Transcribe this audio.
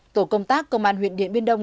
tổ công tác công an huyện điện biên đông